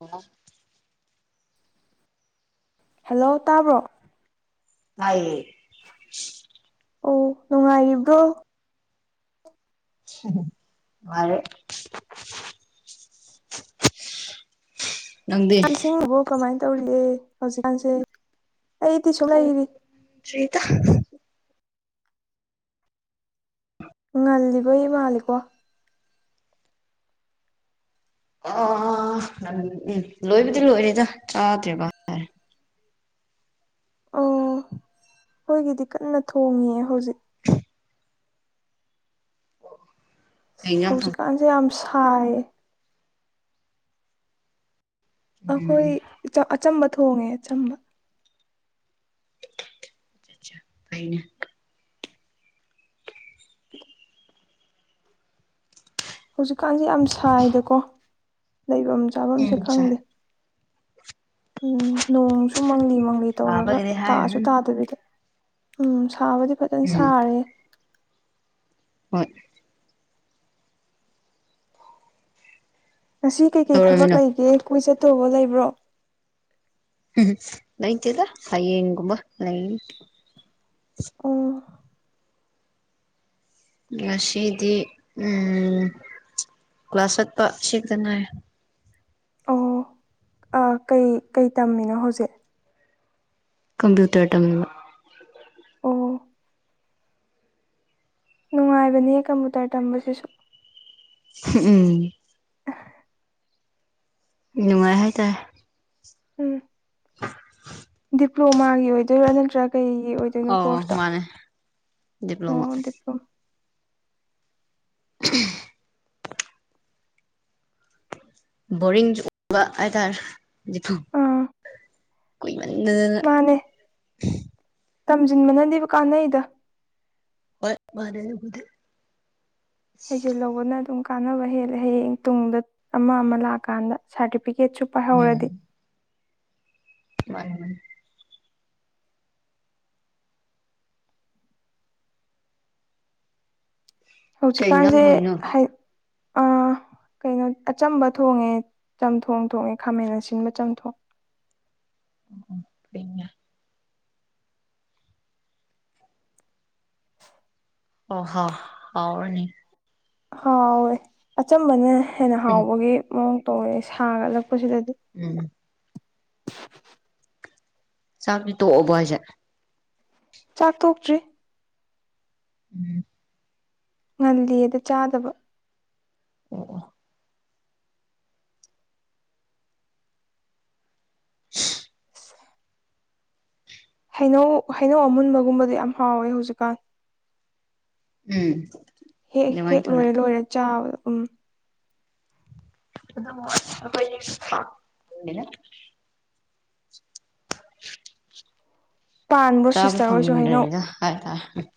ꯑ ꯍꯦꯜꯂꯣ ꯇꯥꯕ꯭ꯔꯣ ꯍꯥꯏꯦ ꯑꯣ ꯅꯨꯡꯉꯥꯏꯔꯤꯕ꯭ꯔꯣ ꯃꯔꯦ [unintelligible] ꯅꯪꯗꯤ ꯏꯁꯤꯡꯕꯣ ꯀꯃꯥꯏꯅ ꯇꯧꯔꯤꯑꯦ ꯍꯧꯖꯤꯛꯀꯥꯟꯁꯦ ꯑꯩꯗꯤ ꯁꯨꯝ ꯂꯩꯔꯤ ꯑꯣꯔꯤꯗ ꯉꯜꯂꯤꯕꯩ ꯃꯥꯂꯦꯀꯣ ꯑ ꯎꯝ ꯂꯣꯏꯕꯨꯗꯤ ꯂꯣꯏꯔꯦꯗ ꯆꯥꯗ꯭ꯔꯦꯔꯦ ꯑꯣ ꯑꯩꯈꯣꯏꯒꯤꯗꯤ ꯀꯟꯅ ꯊꯣꯡꯉꯦ ꯍꯧꯖꯤꯛ ꯀꯩ ꯏꯟꯖꯥꯡ ꯊꯣꯡ ꯍꯧꯖꯤꯛꯀꯥꯟꯁꯦ ꯌꯥꯝ ꯁꯥꯏꯌꯦ ꯎꯝ ꯑꯩꯈꯣꯏ ꯑꯆꯝꯕ ꯊꯣꯡꯉꯦ ꯑꯆꯝꯕ ꯐꯥꯏꯅꯦ ꯍꯧꯖꯤꯛꯀꯥꯟꯁꯦ ꯌꯥꯝ ꯁꯥꯏꯗꯀꯣ ꯂꯩꯐꯝ ꯎꯝ ꯆꯥꯐꯝꯁꯦ ꯆꯥꯏ ꯈꯪꯗꯦ ꯎꯝ ꯅꯣꯡꯁꯨ ꯃꯪꯂꯤ ꯃꯪꯂꯤ ꯇꯧꯔꯒ ꯁꯥꯕꯒꯤꯗꯤ ꯇꯥꯑꯁꯨ ꯍꯥꯏꯔꯨꯔꯅꯨ ꯇꯥꯗꯕꯤꯗ ꯎꯝ ꯁꯥꯕꯗꯤ ꯐꯖꯅ ꯎꯝ ꯁꯥꯔꯦ ꯍꯣꯏ ꯉꯁꯤ ꯀꯩꯀꯩ ꯊꯕꯛ ꯀꯩꯗꯧꯔꯝꯃꯤꯅꯣ ꯂꯩꯒꯦ ꯀꯣꯏ ꯆꯠꯇꯧꯕ ꯂꯩꯕ꯭ꯔꯣ ꯎꯝ ꯂꯩꯣꯏꯇꯦꯗ ꯍꯌꯦꯡ ꯀꯨꯝꯕ ꯂꯩ ꯑꯣ ꯁꯤꯩꯗꯤ ꯎꯝ ꯀ꯭ꯂꯥꯁ ꯆꯠꯄ ꯁꯤꯗꯅ ꯑꯣ ꯀꯩ ꯀꯩ ꯇꯝꯃꯤꯅꯣ ꯍꯧꯖꯤꯛ ꯀꯝꯄꯤꯨꯇꯔ ꯇꯝꯃꯤꯕꯥ [inaudible] ꯑꯣ ꯅꯨꯡꯉꯥꯏꯕꯅꯤ ꯀꯝꯄꯨꯇꯔ ꯇꯝꯕꯁꯤꯁꯨ ꯎꯝ ꯅꯨꯡꯉꯥꯏ ꯍꯥꯏꯇꯥꯔꯦ ꯎꯝ ꯗꯤꯄ꯭ꯂꯣꯃꯥꯒꯤ ꯑꯣꯏꯗꯣꯏꯔꯥ ꯅꯠꯇ꯭ꯔꯥ ꯀꯩ ꯀꯩꯒꯤ ꯑꯣꯏꯗꯨꯏꯅꯣ ꯑꯣ ꯀꯣꯔꯁꯇꯣ ꯃꯥꯅꯦ ꯗꯤꯄ꯭ꯂꯣꯃꯥ ꯑꯣ ꯗꯤꯄꯂ꯭ꯣꯃꯥ ꯁꯤꯠ ꯁꯤꯠ [inaudible] ꯕꯣꯔꯤꯡ ꯆꯨꯕꯥ ꯍꯥꯏꯇꯥꯔꯦ ꯗꯤꯄꯂꯣ ꯑꯥ ꯀꯨꯏꯃꯟꯗꯅ [inaudible] ꯃꯥꯅꯦ ꯇꯝꯁꯤꯟꯕꯅꯗꯤ ꯀꯥꯟꯅꯩꯗ ꯍꯣꯏ ꯃꯥꯅꯦꯕꯨꯗꯤꯦ ꯍꯩꯖꯤꯟ ꯂꯧꯕꯅ ꯑꯗꯨꯝ ꯀꯥꯟꯅꯕ ꯍꯦꯜꯂꯦ ꯍꯌꯦꯡ ꯇꯨꯡꯗ ꯑꯃ ꯑꯃ ꯂꯥꯛꯑꯀꯥꯟꯗ ꯄꯤꯀꯦꯠꯁꯨ ꯎꯝ ꯄꯥꯏꯍꯧꯔꯗꯤ ꯃꯥꯅꯤ ꯃꯥꯅꯤ ꯀꯩ ꯏꯟꯖꯥꯡ ꯍꯧꯖꯤꯛꯀꯥꯟꯁꯦ ꯊꯣꯡꯉꯤꯅꯣ ꯍꯥꯏ ꯑ ꯀꯩꯅꯣ ꯑꯆꯝꯕ ꯊꯣꯡꯉꯦ ꯆꯝꯊꯣꯡ ꯊꯣꯡꯉꯦ ꯈꯥꯃꯦꯟ ꯑꯁꯤꯟꯕ ꯆꯝꯊꯣꯡ ꯑꯣ ꯐ [inaudible] ꯑꯣ ꯍꯣ ꯍꯥꯎꯔꯥꯅꯤ ꯍꯥꯎꯋꯦ ꯑꯆꯝꯕꯅ ꯍꯦꯟꯅ ꯎꯝ ꯍꯥꯎꯕꯒꯤ ꯃꯑꯣꯡ ꯇꯧꯋꯦ ꯁꯥꯒꯠꯂꯛꯄꯁꯤꯗ ꯎꯝ ꯆꯥꯛꯇꯤ ꯇꯣꯛꯑꯣꯕ ꯍꯥꯏꯁꯦ ꯆꯥꯛ ꯇꯣꯛꯇ꯭ꯔꯤ ꯎꯝ ꯉꯜꯂꯤꯑꯗ ꯆꯥꯗꯕ ꯑꯣ ꯗꯨꯋꯥ [inaudible] ꯍꯩꯅꯧ ꯍꯩꯅꯧ ꯑꯃꯨꯟꯕꯒꯨꯝꯕꯗ ꯌꯥꯝ ꯍꯥꯎꯋꯦ ꯍꯧꯖꯤꯛꯀꯥꯟ ꯎꯝ ꯍꯦꯛ ꯑꯗꯨꯃꯥꯏꯅ ꯍꯦꯛ ꯇꯧꯔꯦ ꯂꯣꯏꯔ ꯂꯣꯏꯔꯦ ꯆꯥꯕ ꯎꯝ ꯈꯣꯟꯖꯦꯜ ꯁꯦ ꯇꯟꯕꯥ ꯆꯅ ꯉꯪꯂꯀꯣ [inaudible] ꯍꯨꯖ [inaudible] ꯄꯥꯟꯕ꯭ꯔꯣ ꯆꯥꯕ ꯁꯤꯁꯇꯔ ꯍꯣꯏꯁꯨ ꯍꯩꯅꯧ ꯐꯪꯅꯤꯡꯗ꯭ꯔꯦꯗ ꯍꯥꯏꯇꯥꯔꯦ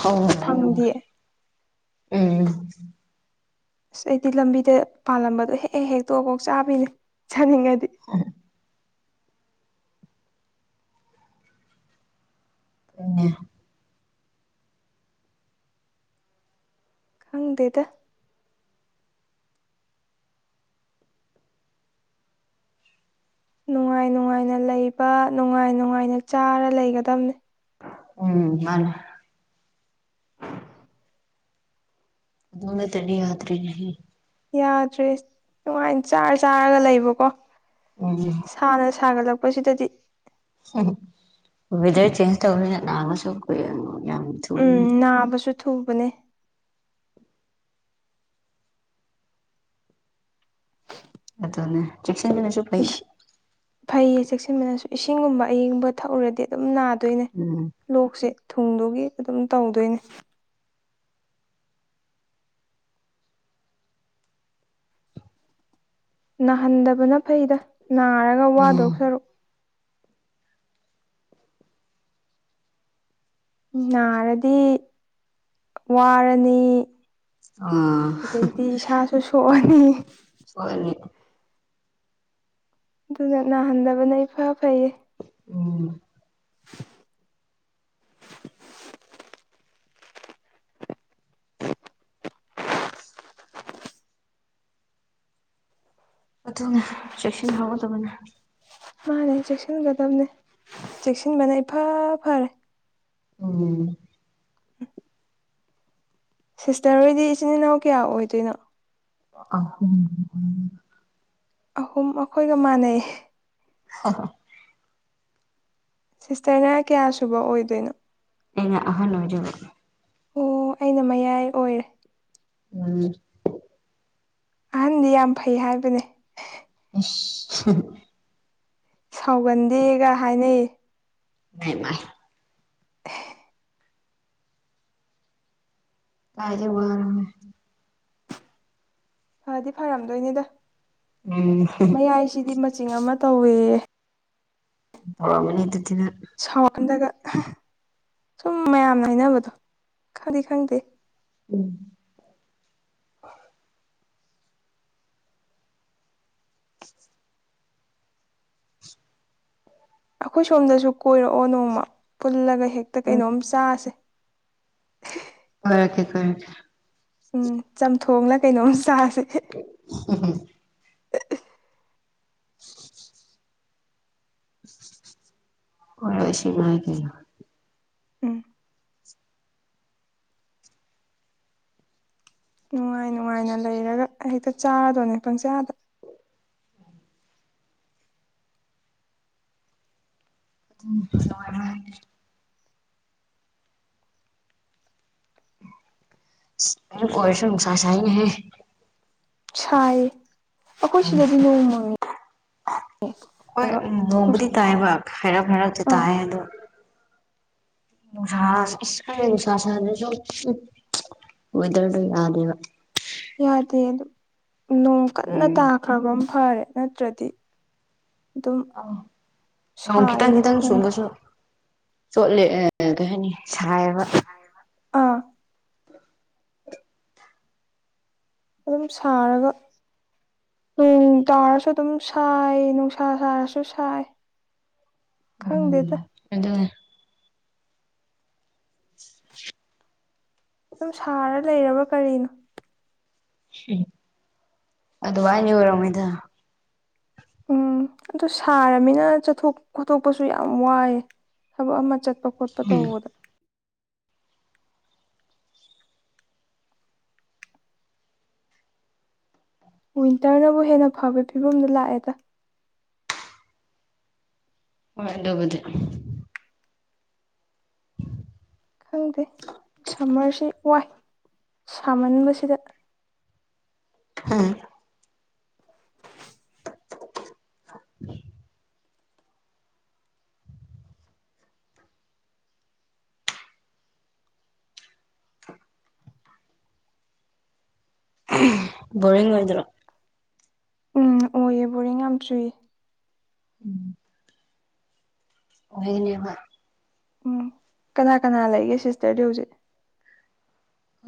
ꯍ ꯐꯪꯗꯦ [inaudible] ꯎꯝ ꯑꯁ ꯑꯩꯗꯤ ꯂꯝꯕꯤꯗ ꯄꯥꯜꯂꯝꯕꯗꯣ ꯍꯦꯛ ꯍꯦꯛ ꯍꯦꯛꯛꯇꯣꯛꯑꯐꯣꯛ ꯆꯥꯕꯤꯅꯦ ꯆꯅꯤꯡꯉꯥꯏꯗꯤ ꯍ ꯈꯪꯗꯦꯗ ꯅꯨꯡꯉꯥꯏ ꯅꯨꯡꯉꯥꯏꯅ ꯂꯩꯕ ꯅꯨꯡꯉꯥꯏ ꯅꯨꯡꯉꯥꯏꯅ ꯆꯥꯔ ꯂꯩꯒꯗꯕꯅꯦ ꯎꯝ ꯃꯥꯅꯦ ꯑꯗꯨꯅ ꯇꯅꯤ ꯌꯥꯗ꯭ꯔꯔꯤꯅꯦ ꯌꯥꯗ꯭ꯔꯦ ꯅꯨꯡꯉꯥꯏꯅ ꯆꯥꯔ ꯆꯥꯔꯒ ꯂꯩꯕꯀꯣ ꯎꯝ ꯁꯥꯅ ꯁꯥꯒꯠꯂꯛꯄ ꯄꯁ ꯇꯗꯤ ꯎꯝ ꯋꯦꯗꯔ ꯆꯦꯟꯖ ꯇꯧꯅꯤꯗ ꯅꯥꯒꯁꯨ ꯀꯨꯏꯔ ꯌꯥꯝ ꯎꯝ ꯊꯣꯛꯣꯏꯅꯤ ꯅꯥꯕꯁꯨ ꯊꯨꯕꯅꯦ ꯑ ꯆꯟꯒꯤꯅꯁꯨ ꯏꯁ ꯐꯥꯏꯗ ꯐꯩꯌꯦ ꯆꯦꯛꯁꯤꯟꯕꯅꯁꯨ ꯏꯁꯤꯡꯒꯨꯝꯕ ꯑꯏꯤꯡꯒꯨꯝꯕ ꯊꯛꯎꯨꯔꯗꯤ ꯑꯗꯨꯝ ꯅꯥꯗꯣꯏꯅꯦ ꯎꯝ ꯂꯣꯛꯁꯦ ꯊꯨꯝꯗꯨꯒꯤ ꯑꯗꯨꯝ ꯇꯧꯗꯣꯏꯅꯦ ꯅꯥꯍꯟꯗꯕꯅ ꯐꯩꯗ ꯅꯥꯔꯒ ꯎꯝ ꯋꯥꯗꯣꯛ ꯁꯔꯨꯛ ꯅꯥꯔꯗꯤ ꯋꯥꯔꯅꯤ ꯑꯥ ꯑꯗꯩꯗꯤ ꯏꯁꯥꯁꯨ ꯁꯣꯛꯑꯅꯤ ꯁꯣꯏꯔꯅꯤ ꯑꯗꯨꯅ ꯅꯥꯍꯟꯗꯕꯅ ꯏ ꯐ ꯐꯩꯌꯦ ꯎꯝ [inaudible] ꯑꯗꯨꯅ ꯆꯦꯛꯁꯤꯟ ꯍꯧꯒꯗꯕꯅꯤ ꯃꯥꯅꯦ ꯆꯦꯛꯁꯤꯟꯒꯗꯕꯅꯦ ꯆꯦꯛꯁꯤꯟꯕꯅ ꯏꯐ ꯐꯔꯦ ꯑꯣꯝ ꯁꯤꯁꯇꯔ ꯍꯣꯏꯗꯤ ꯏꯆꯤꯟ ꯏꯅꯥꯎ ꯀꯌꯥ ꯑꯣꯏꯗꯣꯏꯅꯣ ꯑꯣ ꯍ ꯑꯍꯨꯝ ꯑꯩꯈꯣꯏꯒ ꯃꯥꯟꯅꯩ ꯍ ꯁꯤꯁꯇꯔꯅ ꯀꯌꯥ ꯁꯨꯕ ꯑꯣꯏꯗꯣꯏꯅꯣ ꯑꯩꯉꯍ ꯅꯖꯔ ꯑꯣ ꯑꯩꯅ ꯃꯌꯥꯏ ꯑꯣꯏꯔꯦ ꯎꯝ ꯑꯍꯟꯗꯤ ꯌꯥꯝ ꯐꯩ ꯍꯥꯏꯕꯅꯦ [inaudible] ꯁꯥꯎꯒꯟꯗꯦꯒ ꯍꯥꯏꯅꯩꯌꯦ ꯥꯏ [inaudible] ꯀꯥꯏꯖꯦ ꯋꯥꯔ ꯐꯗꯤ ꯐꯔꯝꯗꯣꯏꯅꯦꯗ ꯎꯝ ꯃꯌꯥꯏꯁꯤꯗꯤ ꯀꯆꯤꯡ ꯑꯃ ꯇꯧꯏꯤ ꯅꯤ ꯑꯗꯨ ꯊꯅ ꯆꯗꯒ ꯁꯨꯝ ꯃꯌꯥꯝꯅ ꯍꯥꯏꯅꯕꯗꯣ ꯈꯪꯗꯤ ꯈꯪꯗꯦ ꯎꯝ ꯑꯩꯈꯣꯏ ꯁꯣꯝꯗꯁꯨ ꯀꯣꯏꯔꯛꯑꯣ ꯅꯣꯡꯃ ꯄꯨꯜꯂꯒ ꯍꯦꯛꯇ ꯀꯩꯅꯣꯝ ꯆꯥꯁꯦ ꯍꯣꯏꯀꯦ ꯀꯔꯀꯦ ꯎꯝ ꯆꯝꯊꯣꯡꯅ ꯀꯩꯅꯣꯝ ꯆꯥꯁꯦ [inaudible] ꯑꯣꯁꯤꯃ ꯀꯩꯅ ꯎꯝ ꯅꯨꯡꯉꯥꯏ ꯅꯨꯡꯉꯥꯏꯅ ꯂꯩꯔꯒ ꯍꯦꯛꯇ ꯆꯥꯔꯗꯣꯏꯅꯦ ꯄꯪꯆꯥꯌꯥꯗ ꯑꯗꯨ ꯀꯁꯨ ꯅꯨꯡꯁꯥ ꯆ ꯍꯦ ꯁꯥꯏ ꯑꯩꯈꯣꯏ ꯁꯤꯗꯗꯤ ꯅꯣꯡ ꯃꯪꯉꯤ ꯍꯣꯏ ꯎꯝ ꯅꯨꯡꯁꯥ ꯅꯣꯡꯃꯗꯤ ꯇꯥꯏꯕ ꯍꯥꯏꯔꯞ ꯍꯥꯏꯔꯞꯁꯨꯦ ꯑꯥ ꯇꯥꯏ ꯑꯗꯣ ꯎ ꯍꯁ ꯁꯥꯗ ꯑꯣꯏꯣꯏꯗꯔꯗ ꯌꯥꯗꯕ ꯌꯥꯗꯦ ꯑꯗꯨꯝ ꯅꯣꯡ ꯀꯟꯅ ꯎꯝ ꯇꯥꯈ꯭ꯔꯕ ꯐꯔꯦ ꯅꯠꯇ꯭ꯔꯗꯤ ꯑꯗꯨꯝ ꯑ ꯅ ꯈꯤꯇꯪ ꯁꯥꯏꯌꯦ ꯈꯤꯇꯪ ꯅꯣꯡ ꯁꯨꯡꯒꯁꯨ ꯆꯣꯠꯂꯦ ꯀꯩ ꯍꯥꯏꯅꯤ ꯁꯥꯏꯕ ꯑꯥ ꯑꯗꯨꯝ ꯁꯥꯔꯒ ꯎꯝ ꯇꯥꯎꯔꯁꯨ ꯑꯗꯨꯝ ꯁꯥꯏ ꯅꯨꯡꯁꯥ ꯁꯥꯔꯁꯨ ꯁꯥꯏ ꯎꯝ ꯈꯪꯗꯦꯗ ꯑꯗꯨꯗ [inaudible] ꯁꯝ ꯁꯥꯔ ꯂꯩꯔꯕ ꯀꯔꯤꯅꯣ ꯑꯗꯨ ꯋꯥꯅꯤ ꯑꯣꯏꯔꯝꯉꯣꯏꯗ ꯎꯝ ꯑꯗꯨ ꯁꯥꯔꯃꯤꯅ ꯆꯠꯊꯣꯛ ꯈꯣꯠꯇꯣꯛꯄꯁꯨ ꯌꯥꯝ ꯋꯥꯏꯌꯦ ꯊꯕꯛ ꯑꯃ ꯆ ꯈꯣꯠꯄ ꯇꯧꯕꯗ ꯋꯤꯟꯇꯔꯅꯕꯨ ꯍꯦꯟꯅ ꯐꯕꯩ ꯐꯤꯕꯝꯗ ꯂꯥꯛꯑꯦꯗ ꯍꯣꯏ ꯑꯗꯨꯕꯨꯗꯤ ꯈꯪꯗꯦ ꯁꯝꯃꯔꯁꯤ ꯋꯥꯏ ꯁꯥꯃꯟꯕꯁꯤꯗ ꯍꯥ ꯕꯣꯔꯤꯡ ꯑꯣꯏꯗ꯭ꯔꯣ ꯎꯝ ꯑꯣꯏꯌꯦ ꯕꯣꯔꯤꯡ ꯌꯥꯝ ꯆꯨꯏ ꯎꯝ ꯑꯣꯏꯍꯅꯤꯕ ꯎꯝ ꯀꯅꯥ ꯀꯅꯥ ꯂꯩꯒꯦ ꯁꯤꯁꯇꯔꯗꯤ ꯍꯨꯖꯤꯛ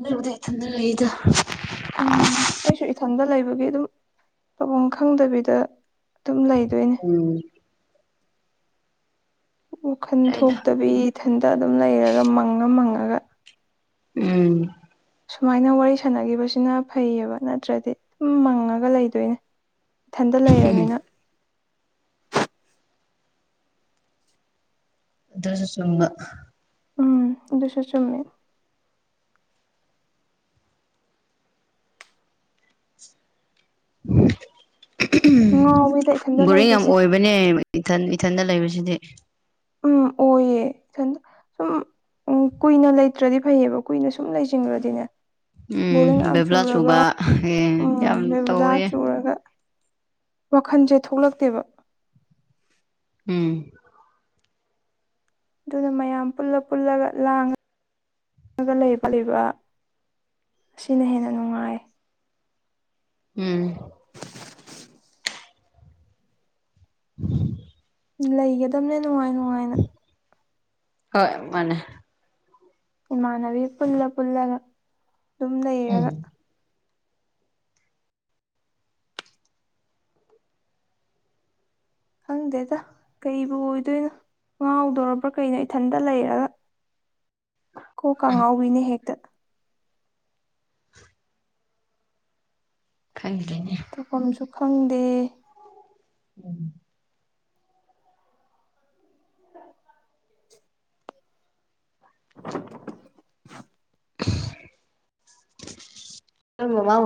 ꯑꯩꯕꯨꯗꯤ ꯏꯊꯟꯗ ꯂꯩꯗ ꯑꯗꯨꯒꯤ ꯑꯗꯨꯝ ꯇꯧꯕꯝ ꯈꯪꯗꯕꯤꯗ ꯑꯗꯨꯝ ꯂꯩ ꯎꯝ ꯋꯥꯈꯟ ꯂꯩꯗ ꯊꯣꯛꯇꯕꯤ ꯏꯊꯟꯇ ꯑꯗꯨꯝ ꯂꯩꯔꯒ ꯃꯪꯉ ꯃꯪꯉꯒ ꯎꯝ ꯁꯨꯃꯥꯏꯅ ꯋꯥꯔꯤ ꯁꯥꯟꯅꯒꯤꯕꯁꯤꯅ ꯐꯩꯌꯦꯕ ꯅꯠꯇ꯭ꯔꯗꯤ ꯗꯨꯝ ꯃꯪꯉꯒ ꯂꯩꯗꯣꯏꯅꯦ ꯊꯟꯗ ꯂꯩꯔꯝꯃꯤꯅ ꯗꯨꯁꯨ ꯆꯨꯃ ꯎꯝ ꯑꯗꯨꯁꯨ ꯆꯨꯝꯃꯤ ꯉꯥꯎꯋꯤꯗ [inaudible] ꯏꯊꯟꯇ ꯕꯣꯔꯤꯡ ꯌꯥꯝ ꯂꯩꯕꯁꯦ ꯑꯣꯏꯕꯅꯦ ꯏꯊꯟ ꯏꯊꯟꯗ ꯂꯩꯕꯁꯤꯗꯤ ꯎꯝ ꯑꯣꯏꯌꯦ ꯏꯊ ꯁꯨꯝ ꯎꯝ ꯀꯨꯏꯅ ꯂꯩꯇ꯭ꯔꯗꯤ ꯐꯩꯌꯦꯕ ꯀꯨꯏꯅ ꯁꯨꯝ ꯂꯩꯁꯤꯟꯒꯔ꯭ꯗꯤꯅꯦ ꯎꯝ ꯕꯣꯔꯤꯡ ꯌꯥꯝ ꯕꯦꯕ꯭ꯂꯥ ꯆꯨꯔꯒ ꯆꯨꯕ ꯑꯦ ꯎꯝ ꯌꯥꯝ ꯕꯦꯕꯨꯂꯥ ꯇꯧꯋꯦ ꯆꯨꯔꯒ ꯋꯥꯈꯟꯁꯦ ꯊꯣꯛꯂꯛꯇꯦꯕ ꯎꯝ ꯗꯨꯅ ꯃꯌꯥꯝ ꯄꯨꯜꯂ ꯄꯨꯜꯂꯒ ꯂꯥꯡꯉꯒ ꯂꯩꯕ ꯂꯩꯕ ꯑꯁꯤꯅ ꯍꯦꯟꯅ ꯅꯨꯡꯉꯥꯏ ꯎꯝ [inaudible] ꯂꯩꯒꯗꯝꯅꯦ ꯅꯨꯡꯉꯥꯏ ꯅꯨꯡꯉꯥꯏꯅ ꯍꯣꯏ ꯃꯥꯅꯦ ꯏꯃꯥꯟꯅꯕꯤ ꯄꯨꯜꯂ ꯄꯨꯜꯂꯒ ꯑꯗꯨꯝ ꯎꯝ ꯂꯩꯔꯒ ꯈꯪꯗꯦꯗ ꯀꯩꯕꯨ ꯑꯣꯏꯗꯣꯏꯅꯣ ꯉꯥꯎꯗꯣꯔꯕ꯭ꯔꯥ ꯀꯩꯅꯣ ꯏꯊꯟꯇ ꯂꯩꯔꯒ ꯀꯣꯀ ꯎꯝ ꯉꯥꯎꯕꯤꯅꯦ ꯍꯦꯛꯇ ꯑꯒꯤꯂꯩꯅꯦ ꯇꯧꯐꯝꯁꯨ ꯈꯪꯗꯦ ꯎꯝ ꯑꯃꯃꯥ